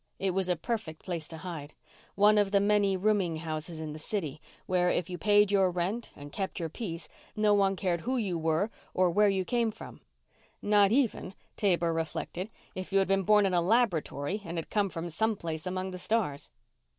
It was a perfect place to hide one of the many rooming houses in the city where, if you paid your rent and kept your peace, no one cared who you were or where you came from. Not even, Taber reflected, if you had been born in a laboratory and had come from someplace among the stars.